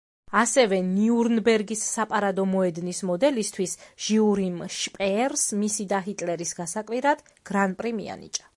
ასევე, ნიურნბერგის საპარადო მოედნის მოდელისთვის, ჟიურიმ შპეერს, მისი და ჰიტლერის გასაკვირად, გრან-პრი მიანიჭა.